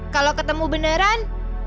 kalau ketemu beneran